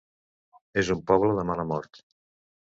És un poble de mala mort.